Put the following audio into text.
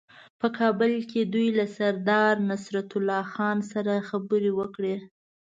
په کابل کې دوی له سردارنصرالله خان سره خبرې وکړې.